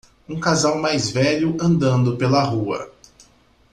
Um casal mais velho andando pela rua.